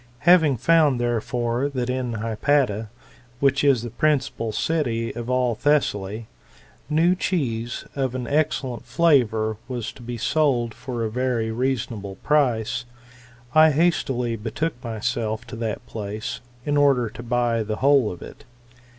Having found, therefore, that in Hypata, which is the principal city of all Thessaly, new cheese of an excellent flavour was to be sold for a very reasonable price, I hastily betook myself to that place, in order to buy the whole of it.